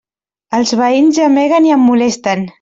Els veïns gemeguen i em molesten.